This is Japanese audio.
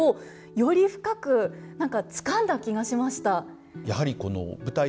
より深く何かつかんだ気がしました。